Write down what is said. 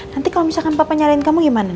nanti kalau misalkan papa nyalain kamu gimana